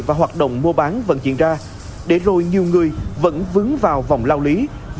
và hoạt động mua bán vẫn diễn ra để rồi nhiều người vẫn vướng vào vòng lao lý